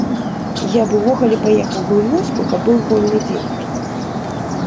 Я б увогуле паехаў бы ў вёску, каб быў вольны дзень.